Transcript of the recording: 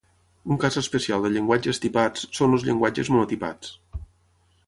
Un cas especial de llenguatges tipats són els llenguatges monotipats.